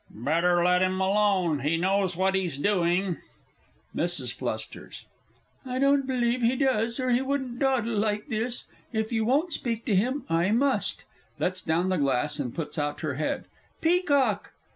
Better let him alone he knows what he's doing. MRS. F. I don't believe he does, or he wouldn't dawdle like this. If you won't speak to him, I must. (Lets down the glass and puts out her head.) Peacock!